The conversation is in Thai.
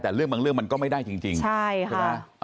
แต่เรื่องบางเรื่องมันก็ไม่ได้จริงใช่ค่ะใช่ไหม